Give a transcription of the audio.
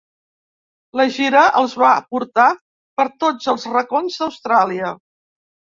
La gira els va portar per tots els racons d'Austràlia.